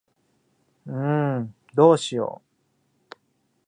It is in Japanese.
んーどうしよ。